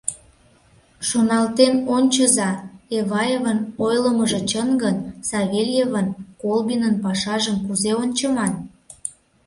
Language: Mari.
Шоналтен ончыза, Эваевын ойлымыжо чын гын, Савельевын, Колбинын пашажым кузе ончыман?